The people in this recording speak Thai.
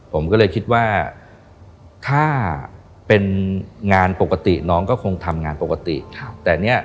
ผมก็เลยคิดว่าถ้าเป็นงานปกติน้องก็คงทำงานปกติแต่เนี่ย